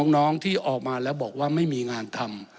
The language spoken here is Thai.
น้องที่ออกมาแล้วบอกว่าไม่มีงานทำ